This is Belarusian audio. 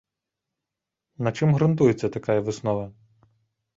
На чым грунтуецца такая выснова?